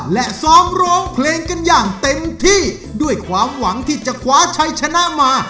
และซ้อมร้องเพลงกันอย่างเต็มที่ด้วยความหวังที่จะคว้าชัยชนะมา